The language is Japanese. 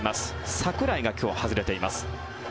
桜井が今日は外れています。